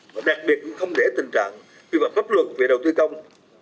và đặc biệt cũng không để tình trạng vì bằng pháp luật về đầu tư công